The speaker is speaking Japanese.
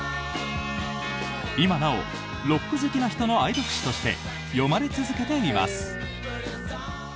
今なおロック好きな人の愛読誌として読まれ続けています。